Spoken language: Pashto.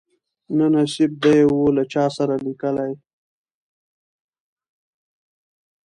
نه نصیب دي وو له چا سره لیکلی